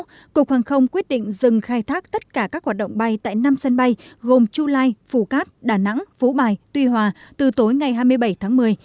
sau đó cục hàng không quyết định dừng khai thác tất cả các hoạt động bay tại năm sân bay gồm chulai phú cát đà nẵng phú bài tuy hòa từ tối ngày hai mươi bảy tháng một mươi